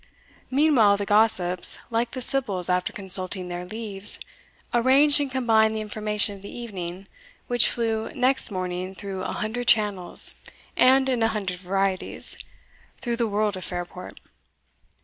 Meanwhile the gossips, like the sibyls after consulting their leaves, arranged and combined the information of the evening, which flew next morning through a hundred channels, and in a hundred varieties, through the world of Fairport.